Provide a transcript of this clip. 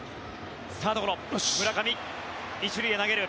サードゴロ、村上１塁へ投げる。